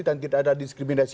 dan tidak ada diskriminasi